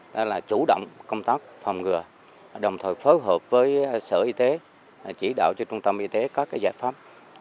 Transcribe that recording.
đó là chủ động công tác phòng ngừa đồng thời phối hợp với sở y tế chỉ đạo cho trung tâm y tế các giải pháp